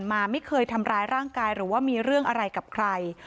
มาไม่เคยทำร้ายร่างกายหรือว่ามีเรื่องอะไรกับใคร